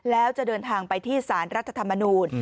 แล้วจะเดินทางไปที่สารรัฐธรรมนูล